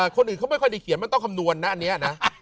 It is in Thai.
คนอื่นเขาไม่ค่อยได้เขียนมันต้องคำนวณนะอันนี้นะ